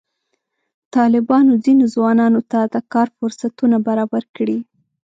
طالبانو ځینو ځوانانو ته د کار فرصتونه برابر کړي.